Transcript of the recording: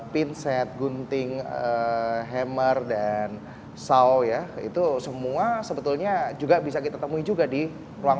pinset gunting hammer dan sao ya itu semua sebetulnya juga bisa kita temui juga di ruang